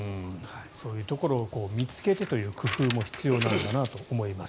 そういうところを見つけてという工夫も必要なんだなと思います。